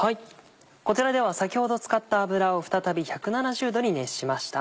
こちらでは先ほど使った油を再び１７０℃に熱しました。